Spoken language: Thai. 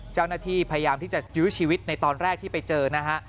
เจ้าหน้าที่พยายามที่จะยื้อชีวิตในตอนแรกที่ไปเจอนะฮะ